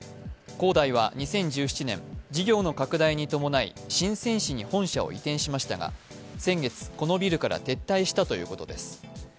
恒大は２０１７年、事業の拡大に伴い深セン市に本社を移転しましたが先月、このビルから撤退したということです。